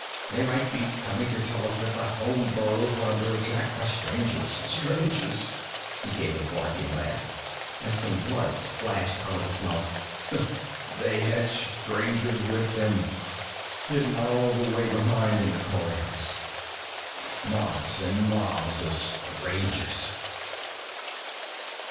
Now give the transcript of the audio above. They might be coming to tell us that the home burrows were under attack by Strangers. Strangers!" He gave a barking laugh, and some blood splashed out of his mouth. "They had Strangers with them, hidden all the way behind in the corridors. Mobs and mobs of Strangers."